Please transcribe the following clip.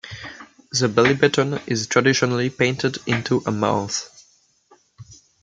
The belly button is traditionally painted into a mouth.